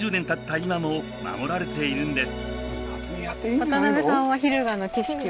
今も守られているんです。